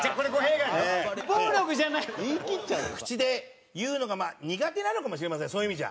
山崎：口で言うのが苦手なのかもしれませんそういう意味じゃ。